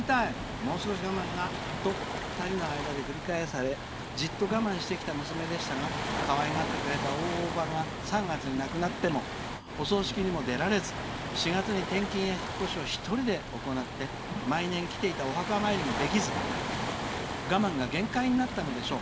もう少し我慢しなと２人の間で繰り返されじっと我慢してきた娘でしたがかわいがってくれた大おばが３月に亡くなってもお葬式にも出られず４月に転勤や引っ越しを１人で行って毎年来ていたお墓参りもできず我慢が限界になったのでしょう。